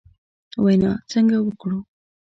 وینا څنګه وکړو ؟